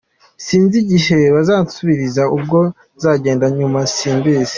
Sinzi igihe bazansubiriza ubwo nzagenda nyuma simbizi.